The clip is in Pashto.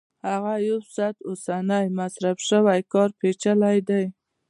هغه یو ساعت اوسنی مصرف شوی کار پېچلی دی